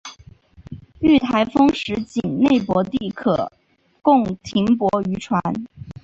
遇台风时仅内泊地可供停泊渔船。